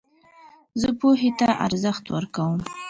زه پوهي ته ارزښت ورکوم.